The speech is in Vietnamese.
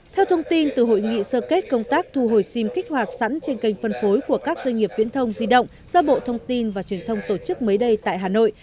theo thông tin từ hội nghị sơ kết công tác thu hồi sim kích hoạt sẵn trên kênh phân phối của các doanh nghiệp viễn thông di động do bộ thông tin và truyền thông tổ chức mới đây tại hà nội